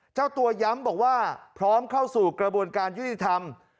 เจ้าตัวย้ำบอกว่าพร้อมเข้าสู่กระบวนการยุติธรรม